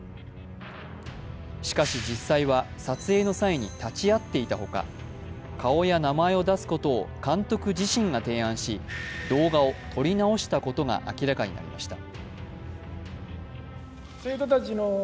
しかし実際は撮影の際に立ち会っていたほか顔や名前を出すことを監督自身が提案し、動画を撮り直したことが明らかになりました。